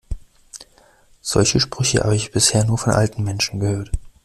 Solche Sprüche habe ich bisher nur von alten Menschen gehört.